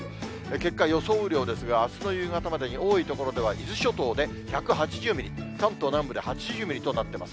結果、予想雨量ですが、あすの夕方までに多い所では、伊豆諸島で１８０ミリ、関東南部で８０ミリとなっています。